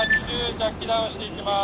ジャッキダウンしていきます。